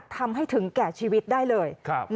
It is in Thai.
ทำให้ถึงแก่ชีวิตได้เลย